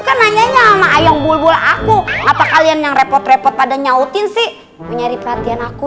kan nanyanya sama ayam bulbul aku apa kalian yang repot repot pada nyautin sih menyari perhatian aku